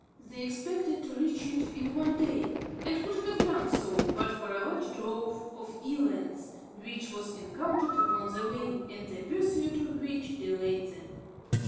They expected to reach it in one day, and could have done so, but for a large drove of elands, which was encountered upon the way, and the pursuit of which delayed them.